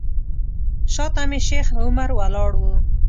شاته مې شیخ عمر ولاړ و.